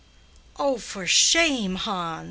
"Oh, for shame, Hans!